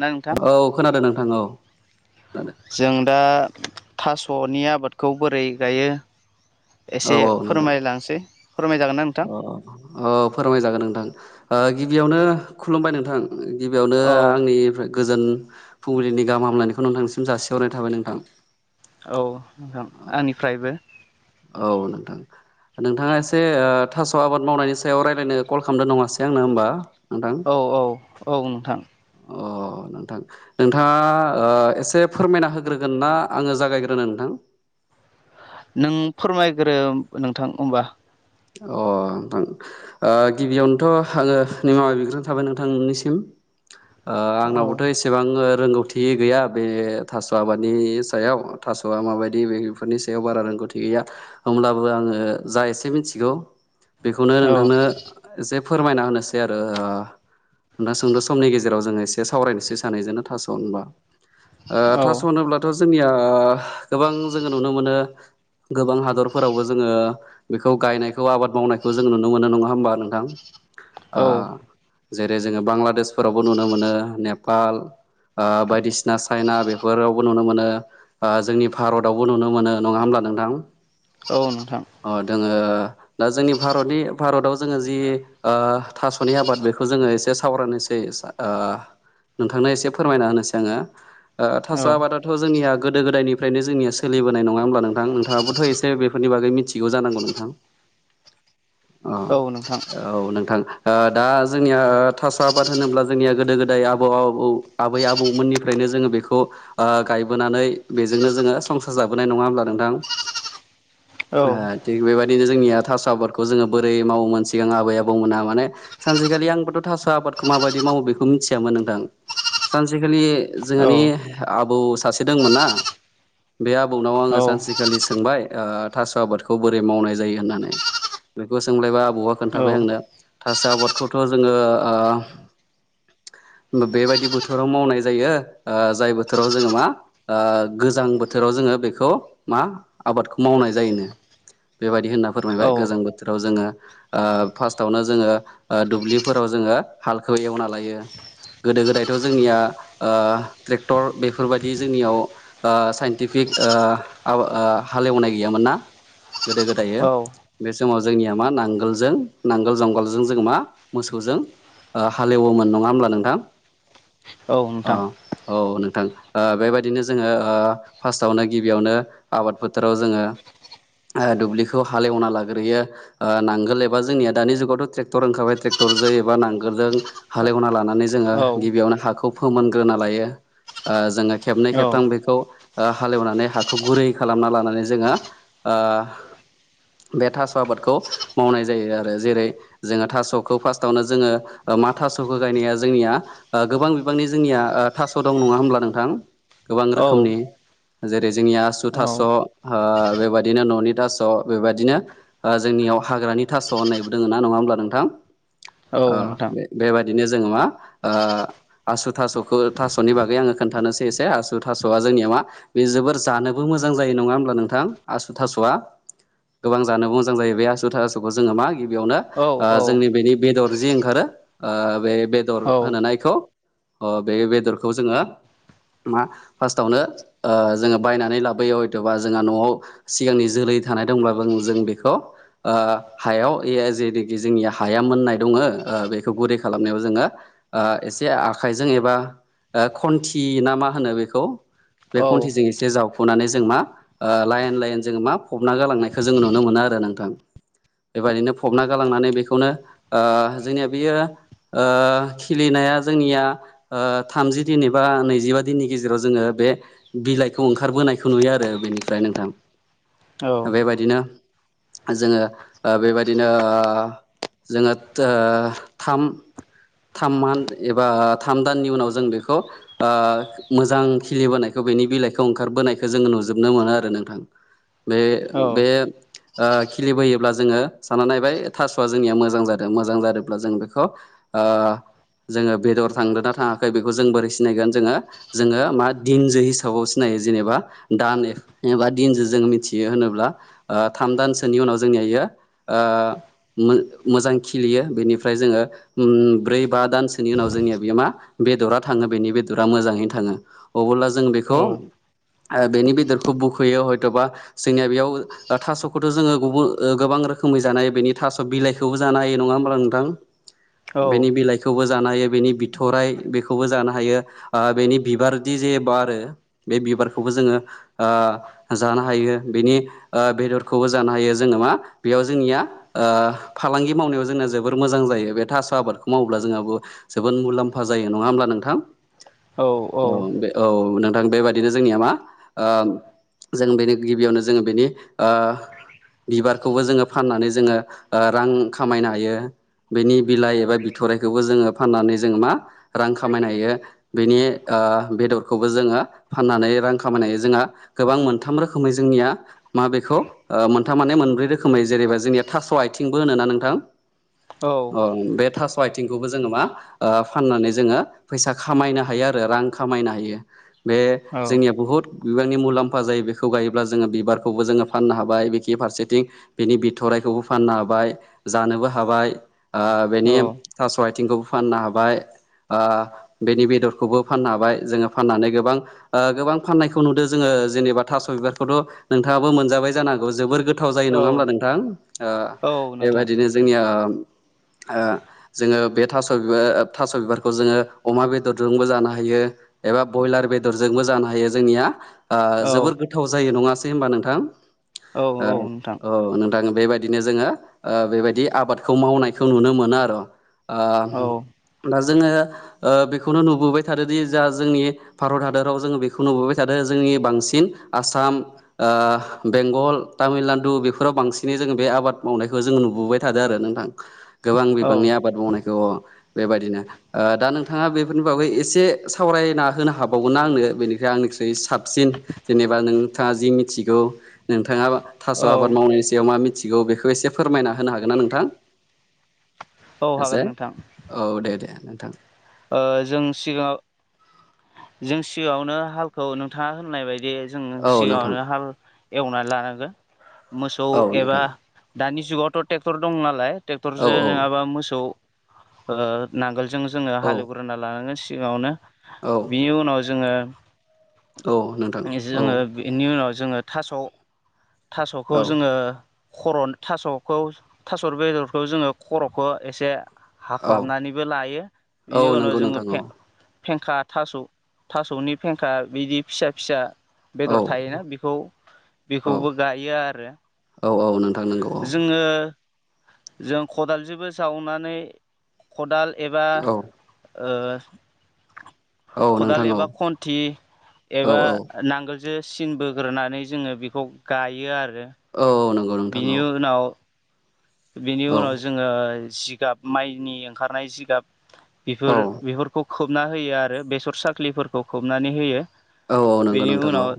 ना नोंथां औ खोनादों नोंथां औ खोनादों जों दा थास'नि आबादखौ बोरै गायो एसे फोरमायलांसै फोरमायजागोन ना नोंथां अ अ फोरमायजागोन नोंथां ओ गिबियावनो खुलुमबाय नोंथां। गिबियावनो औ आंनि गोजोन फुंबिलिनि गाहाम हामलायनायखौ नोंथांनिसिम जासिहरनाय थाबाय नोंथां। औ नोंथां आंनिफ्रायबो औ नोंथां। नोंथाङा एसे ओ थास' आबाद मावनायनि सायाव रायज्लायनो कल खालामदो नङासै आंनो होमबा। नोंथां औ औ औ नोंथां। अ नोंथां नोंथाङा ओ एसे फोरमायना होग्रोगोन ना आङो जागायग्रोनो नोंथां? नों फोरमायग्रो नोंथां होमबा अ नोंथां ओ गिबियावनोथ' आङो निमाबा बिग्रोन थाबाय नोंथांनिसिम [inaudible] औ ओआंनावबोथ' एसेबां ओ रोंगौथि गैया बे थास' आबादनि सायाव थास'आ माबायदि बेफोरनि सायाव बारा रों थि गैया होमब्लाबो आङो जा एसे मिन थिगौ बेखौनो औ नोंथांनो एसे फोरमायना होनोसै आरो ओ होना सोंद' समनि गेजेराव जोङो एसे सावरायनोसै सानैजोंनो थास' होनबा ओ औ थास' होनोब्लाथ' जोंनिया ओ गोबां जोङो नुनो मोनो गोबां हादरफोरावबो जोङो बेखौ गायनाय स' आबाद मावनायखौ जों नुनो मोनो नङा होमबा नोंथां? ओ जेरै जोङो बांलादेशफोरावबो नुनो मोनो नेपाल ओ बायदिसिना चाइना बेफोरावबो नुनो मोनो ओ जोंनि भारतावबो नुनो मोनो नङा होमबा नोंथां? औ नोंथां अ दोङो ओ जोंनि भारतनि भारताव जोङो जि ओ थास'नि आबाद बेखौ जोङो एसे सावरायनोसै। ओ नोंथांनो एसे फोरमायना होनोसै आङो। ओ औ थास' आबादाथ' जोंनिया गोदो -गोदायनिफ्रायनो जोंनिया सोलिबो होननाय नङा होनोमब्ला नोंथां नोंथाङाबोथ' एसे बेफोरनि बागै मिथिगौ जानांगौ नोंथां? औ औ नोंथां। ओ दा जोंनिया थास आबाद होनोब्ला जोंनिया गोदो गोदाय आबौ आबौ आबै आबौमोननिफ्रायनो जोङो बेखौ ओ गायबोनानै बेजोंनो जोङो संसार जाबोनाय नङा होमब्ला नोंथां? [inaudible] औ ओ थिग बेबायदिनो जोंनिया थास' आबादखौ जोङो बोरै मावोमोन सिगां आबै -आबौमोनहा माने सानसेखालि आंबोथ' थास' आबादखौ माबायदि मावो बेखौ मिथियामोन नोंथां। सानसेखालि औ जोंहानि आबौ सासे दोंमोन ना बे आबौनाव आङो सानसेखालि सोंबाय ओ थास' आबादखौ बोरै मावनाय जायो होननानै। बेखौ सोंलायबा आबौआ औ खोन्थाबाय आंनो थास' आबादखौथ' जोङो ओ लांदां ओ बेबायदि बोथोराव मावनाय जायो ओ जाय बोथोराव जोङो मा ओ गोजां बोथोराव जों ङो बेखौ मा आबादखौ मावनाय जायोनो बेबायदि होनना मायबाय गोजां बोथोराव जोङो ओ फास्टावनो जोङो ओ दुब्लिफोराव जोङो हालखौ एवना लायो गोदो गोदायथ' जोंनिया ओ ट्रेक्टर बेफोरबायदि जोंनियाव ओ साइनटिफि ओ ओ हालेवनाय गैयामोन ना गोदो गोदाय औ बे समाव जोंनिया मा नांगोलजों नांगोल जुंगालजों जोङो मा मोसौजों हालेवोमोन नङा होमब्ला नोंथां औ अ नोंथां औ नोंथां बेबायदिनो जोङो ओ फार्स्टआवनो गिबियावनो आबाद बोथोराव जोङो दुब्लिखौ हालेवना लाग्रोयो नांगोल एबा जोंनिया दानि जुगावथ' ट्रेक्टर ओंखारबाय ट्रेक्टरजों एबा नांगोलजों हालेवना लानानै जोङो औ गिबियावनो हाखौ फोमोनग्रोना लायो ओ जोङो खेबनै खेबथाम बेखौ हालेवनानै हाखौ गुरै खालामना लानानै जोङो ओ बे थास' आबादखौ मावनाय जायो आरो जेरै जोङो थास'खौ फार्स्टआवनो जोङो मा थास'खौ गायनाया जोंनिया गोबां बिबांनि जोंनिया थास' दं नङा होमब्ला नोंथां गोबां औ रोखोमनि जेरै जोंनिया आसु औ थास' ओ बेबायदिनो न'नि थास' बेबायदिनो जोंनियाव हाग्रानि थास' होननायबो दोङ ना नङा होमब्ला नोंथां ओ नोंथां बेबायदिनो जोङो मा ओ आसु थास'खौ थास'नि बागै आङो खोन्थानोसै एसे आसु थास'आ जोंनिया मा बे जोबोर जानोबो मोन मोजां जायो नङा होनोमब्ला नोंथां आसु थास'आ गोबां जानो मोजां जायो बे आसु थास'खौ जोङो मा गिबियावनो औ औ जोंनि बेनि बेदर जि ओंखारो ओ बे बेदर होनो ना इखौ बे बेदरखौ जोङो मा फार्स्टआवनो जोङो बायनानै लाबोयो हयथ'बा जोंहा न'आव सिगांनि जोलै थानाय दङब्ला जों बेखौ ओ हायाव एयाव जोंनिया हाया मोन्नाय दङो बेखौ गुरै खालामनायाव जोङो ओ एसे आखाइजों एबा खन्थि ना मा होनो बेखौ बे खन्थिजों एसे जावखुनानै जों मा लाइन लाइन जों मा फबना गालांनाय नायखौ जों नुनो मोन आरो नोंथां बेबायदिनो फबना गालांनानै बेखौनो ओ जोंनिया बेयो ओ खिलिनाय जोंनिया ओ थामजि दिन एबा नैजिबा दिननि गेजेराव जोङो बे बिलाइखौ ओंखार ओंखारबोनायखौ नुयो आरो बेनिफ्राय नोंथां औ बेबायदिनो जोङो बेबायदिनो जोङो ओ थाम थाम मानथ एबा थाम दाननि उनाव जों बेखौ ओ मोजां खिलिबोनायखौ बेनि बिलाइखौ ओंखारबोनायखौ जोङो नुजोबनो मोनो आरो नोंथां बे औ बे ओ खिलिबोयोब्ला जोङो सानना नायबाय थास'आ जोंनिया मोजां जादों मोजां जादोंब्ला जों बेखौ ओ जोङो बेदर थांदों ना थाङाखै बेखौ जों बोरै सिनायगोन जोङो जोङो मा दिनजो हिसाबाव सिनाय जेनेबा दान एबा दिनजों जों मिथियो होनोब्ला ओ थाम दानसोनि उनाव जोंनि इयो मोजां खिलियो बेनिफ्राय जोङो ब्रै बा दानसोनि उनाव जोंनिया बेयो मा बेदरा थाङो बेनि बेदरा मोजाङैनो थाङो अब्ला जों औ बेखौ बेनि बेदरखौ बुखोयो हयथ'बा जोंनिया बेयाव थास'खौथ' जोङो गुबुन गोबां रोखोमै जानो हायो बेनि थास' बिलाइखौबो जानो हायो नङा होमबब्ला नोंथां बेनि बिलाइखौबो जानो हायो बेनि बिथराइ बेखौबो जानो हायो ओ बेनि बिबारदि ज बारो बे बिबारखौबो जोङो जानो हायो बेनि ओ बेदरखौबो जानो हायो जोङो मा बेयाव जोंनिया औ फालांगि मावनायाव जोंना जोबोर मोजां जायो। जायो बे थास' आबादखौ मावोबब्ला जोंहाबो जोबोद मुलाम्फा जायो नङा हब्ला नोंथां। [unintelligible] [inaudible] औ बे औ नोंथां बेबाददिनो जोंनिया मा ओ जों बेनो गिबियावनो जोङो बेनि ओ बिबारखौबो जोङो फाननानै जोङो ओ रां खामायनो हायो बेनि बिलाइ एबा बिथराइखौबो जोङो फाननानै जोङो मा रां खामायनो हायो बेनि ओ बेदरखौबो जोङो फाननानै रां खामायनाय जोंहा गोबां मोनथाम रोखोमै जोंनिया मा बेखौ ओ मोनथाम माने मोनब्रै रोखोमै जेरैबा जोंनिया थास' आथिंबो होनो ना नोंथां। ओं बे थास' आइथिंखौबो जोङो मा फाननानै जोङो फैसा खामायनो हायो आरो रां खामायनो हायो बे औ जोंनिया बुहुत बिबांनि मुलाम्फा जायो बेखौ गायोब्ला जोङो बिबार खौबो जोङो फाननो हाबाय बिखि फारसेथिं बिनि बिथररायखौबो फाननो हाबाय जानोबो हाबाय ओ बेनि थास' आथिंखौबो फाननो हाबाय ओ बेनि बेदरखौबो फाननो हाबाय जोङो फाननानै गोबां ओ गोबां फाननायखौ नुदों जोङो। ओ जेनेबा थास' बिबारखौथ' नोंथाङाबो मोनजाबाय जानो हागौ जोबोर गोथाव जायो नङा औ होमब्ला नोंथां ओ औ नोंथां बेबायदिनो जोंनिया [inaudible] [unintelligible] ओ जोङो बे थास' बिबार थास' बिबारखौ जोङो अमा बेदरजोंबो जानो हायो। एबा ब्रयलार बेदरजोंबो जानो हायो जोंनिया ओ औ जोबोर गोथाव जायो नङास दे होनोमबा नोंथां। औ नोंथां ओ औ नोंथां बेबायदिनो जोङो बेबायदि आबादखौ मावनायखौ नुनो मोना आर ओ औ दा जोङो ओ बेखौनो नुबोबाय थादोंदि जा जोंनि भारत हादराव जोङो बेखौ नुबोबाय थादों आरो जोंनि बांसिन आसाम ओ बेंगल तामिलनाडु बेफोराव बांसिनै जोङो बे आबाद मावनायखौ जों नुबोबाय थादों आरो नोंथां गोबां बिबांनि औ आबाद मावनायखौ अ बेबायदिनो ओ दा नोंथाङा बेफोरनि बागै एसे एसे सावरायना होनो हाबावगोना आंनो बेनिख आंनिखुइ साबसिन जेनेबा नोंथाङा जि मिथिगौ नोंथाङा थास' औ आबाद मावनायनि सायाव मा मिथिगौ बेखौ एसे फोरमायना होनो हागोन ना नोंथां? [inaudible] [unintelligible] एसे नोंथां औ दे दे नोंथां। ओ जों सिगाङाव जों सिगाङावनो हालखौ नोंथाङा होननाय बायदि दि जों औ नोंथां सिगाङावनो हाल एवनानै लानांगोन मोसौ औ एबा नोंथां दानि जुगावथ' ट्रेक्टर दं नालाय औ ट्रेक्टरजो औ नङाबा मोसौ ओ नांगोलजों जोङो औ हालेवग्रोना लानांगोन सिगावनो बिनि औ उनाव जोङो औ नोंथां औ जोङो बेनि उनाव जोङो जोङो थास' थास'खौ औ जोङो खर' थास'खौ थास' बेदरखौ जोङो खर'खौ एसे औ हाख्लाबनानैबो लायो औ बिनि उनाव नंगौ जोङो नोंथां औ फें फेंखा थास' थास'नि फेंखा बिदि फिसा फिसा औ बेदर थायोना बेखौ औ बेखौबो गायो आरो औ औ नोंथां नंगौ औ जोङो जों खदालजोंबो जावनानै खदाल एबा ओ औ खदाल नोंथां औ एबा खन्थि औ एबा औ नांगोल जो‌सिन बोग्रोनानै जोङो बेखौ गायो आरो औ औ नंगौ नोंथां बिनि औ उनाव बेनि औ उनाव जोङो जिगाब माइनि ओंखारनाय जिगाब औ बेफोर बेफोरखौ खोबना होयो आरो बेसर साख्लिफोरखौ खोबनानै होयो औ औ नंगौ बेनि नोंथां औ उनाव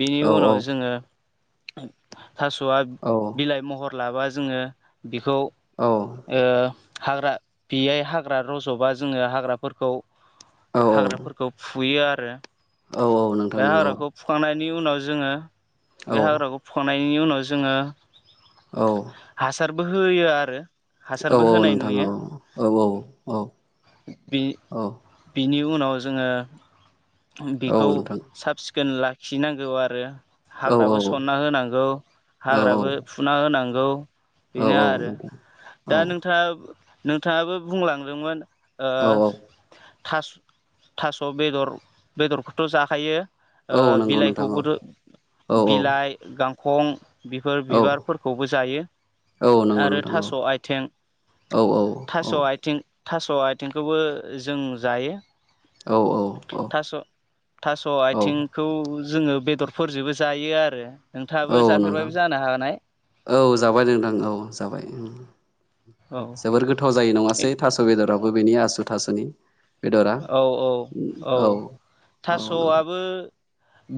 बेनि औ उनाव जोङो थास'आ औ बिलाइ महर लाबा जोङो बिखौ औ ओ हाग्रा बेयाय हाग्रा रज'बा जोङो हाग्राफोरखौ औ हाग्राफोरखौ फुयो आरो औ औ नोंथां नंगौ। बेनि उनाव जोङो औ बे हाग्राखौ फुखनायनि उनाव जोङो औ हासारबो होयो आरो औ हासारबो औ होनाय नोंथां नुयो औ औ औ बि औ बिनिखौ उनाव जोङो औ बेखौ नोंथां साब सिखोन लाखिनांगौ आरो औ हाग्राबो सनना होनांगौ औ हाग्राबो फुना होनांगौ औ बेनो औ आरो नंगौ दा नोंथाङा नोंथाङाबो बुंलांदोंमोन ओ औ थास' थास' बेदर बेदरखौथ' जाखायो ओ औ नंगौ नोंथां बिलाइखौबो औ थ' औ बिलाइ गांखं बेफोर औ बिबारफोरखौबो जायो औ नंगौ आरो नोंथां औ थास' आइ आथिं औ औ औ थास' आथिं थास' आथिंखौबो जों जायो। औ औ थास' थास' आथिंखौ जोङो बेदरफोरजोंबो जायो आरो नोंथाङाबो औ नोंथां जाफेरबायबो जानो हानाय औ जाबाय नोंथां औ जाबाय। औ जोबोर गोथाव जायो नङासै थास' बेदराबो बेनि आसु थासुनि औ औ औ औ नोंथां थास'आबो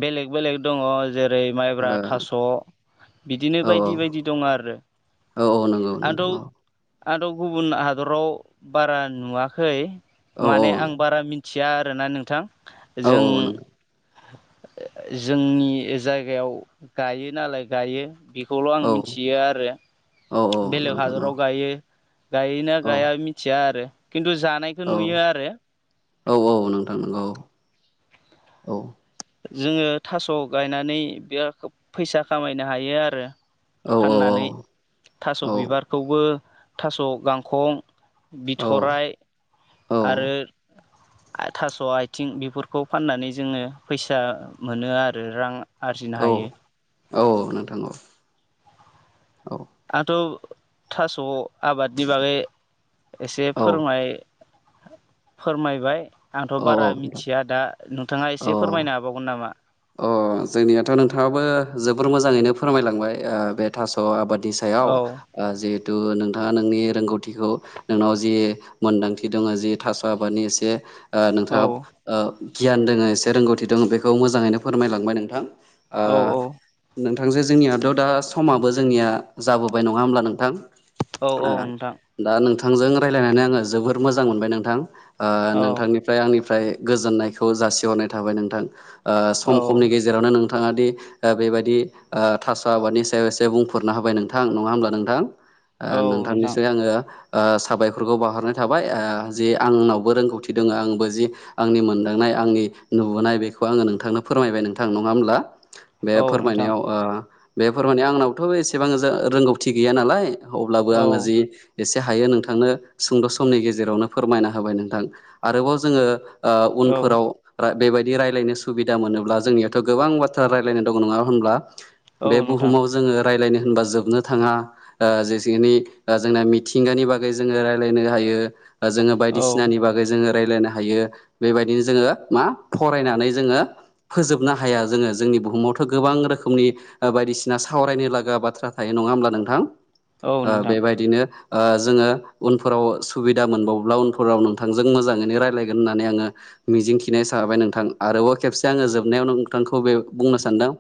बेलेग बेलेग दङ जेरै ओरै माइब्रा थास' बिदिनो ओ औ बायदि बायदि दं आरो औ औ नंगौ आंथ' नोंथां औ आंथ' गुबुन हादराव बारा नुवाखै औ माने आं बारा मिथि या आरोना नोंथां औ जों औ नंगौ जोंनि जायगायाव गायो नालाय गायो बे बे खौल' आं औ मिथियो आरो औ औ बेलेग नोंथां औ हादराव गायो गायोना औ गाया मिथिया आरो खिन्थु जानायखौ औ नुयो आरो औ औ नोंथां नोंगौ औ औ। जोङो थास' गायनानै बे फैसा खामायनो हायो आरो औ औ फाननानै थास' औ बिबारखौबो थास' गांखं औ बिथराय आरो औ आं थास' आथिं बेफोरखौ फाननानै जोङो फैसा मोनो आरो रां आरजिनो हायो। औ औ नोंथां औ औ। आंथ' थास' आबादनि बागै एसे औ फोरोंनाय फोरमायबाय आंथ' औ औ बारा नोंथां मिथिया दा नोंथाङा एसे औ फोरमायनो हाबावगोन नामा? अ जोंनियाथ' नोंथाङाबो जोबोर मोजाङैनो फोरमायलांबाय बे थास' आबाद नि सायाव औ ओ जे थु नोंथाङा नोंनि रोंगौथिखौ नोंनाव जि मोनदांथि दङ जि थास' आबादनि एसे औ नोंथाङा ओ गियान दोङ एसे रोंगौथि दङ बेखौ मोजाङैनो फोरमायलांबाय नोंथां। ओ औ नों नोंथां जे जोंनियाथ' दा समाबो जोंनिया जाबोबाय नङा होमब्ला नोंथां। औ औ ओ नोंथां दा नोंथांजों रायलायनानै आङो जोबोर मोजां मोनबाय नोंथां। ओ औ नोंथांनिफ्राय आंनिफ्राय गोजोननायखौ जासिहरनाय थाबाय नोंथां ओ औ खम खमनि गेजावनो नों नोंथाङा दि ओ बेबायदि थास' आबादनि सायाव एसे बुंफोरना होबाय नोंथां नङा होमब्ला नोंथां। ओ औ नोंथां नोंथांनिसिम आङो ओ साबायखरखौ बहरनाय थाबाय ओ जि आंनावबो रोंगौथि दङ आंबो जि आंनि मोनदांनाय आंनि नुबोनाय बेखौ आङो नोंथांनो फोरमायबाय नोंथां नङा होमब्ला बे औ नोंथां फोरमायनायाव ओ बे फोरमानायाव आंनावथ' एसेबां जा-रोंगौथि गैया नालाय अब्लाबो औ आङो जि एसे हायो नोंथांनो सुंद' समनि गेजेरावनो फोरमायना होबाय नोंथां आरोबाव जोङो ओ औ उनफोराव बेबायदि रायलायनो सुबिदा मोनोब्ला जोंनियावथ' गोबां बाथ्रा रायलायनाय दं नङा होनब्ला। औ बे नोंथां बुहुमाव जोङो रायलायनो होनबा जोबनो थाङा। ओ जेखिनि जोंना मिथिंगानि बागै जोङो रायलायनो हायो ओ जोङो औ बायदिसिनानि बागै जोङो रायलायनो हायो। बेबायदिनो जोङो मा फरायनानै जोङो फोजोबनो हाया जोङो जोंनि बुहुमावथ' गोबां रोखोमनि ओ बायदिसिना सावरायनो लागा बाथ्रा थायो नङा होमब्ला नोंथां। औ ओ नोंथां बेबायदिनो ओ जोङो उनफोराव सुबिदा मोनबावब्ला उनफोराव नोंथांजों मोजाङैनो रायलायगोन होननानै आङो मिजिं थिनाय जाबाय नोंथां। आरोबाव खेबसे आङो जोबनायावनो नोंथांखौ बे बुंनो सानदों